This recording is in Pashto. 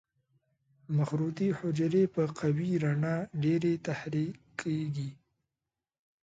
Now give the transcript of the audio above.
مخروطي حجرې په قوي رڼا ډېرې تحریکېږي.